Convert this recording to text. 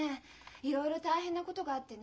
いろいろ大変なことがあってね